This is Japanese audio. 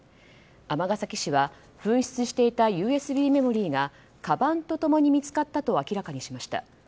尼崎市は紛失していたＵＳＢメモリーがかばんと共に見つかったと明らかにしました。